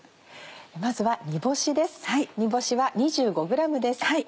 まずは煮干しです。